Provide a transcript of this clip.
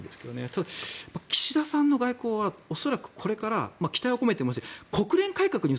ただ、岸田さんの外交は恐らくこれから期待を込めて言いますけど国連改革に